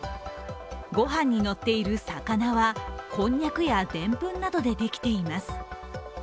ご飯にのっている魚は、こんにゃくやでんぷんなどでできています。